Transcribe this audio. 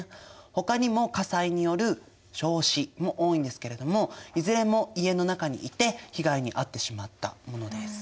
ほかにも火災による焼死も多いんですけれどもいずれも家の中にいて被害に遭ってしまったものです。